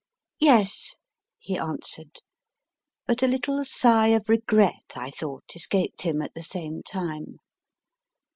Yes, he answered. But a little sigh of regret, I thought, escaped him at the same time.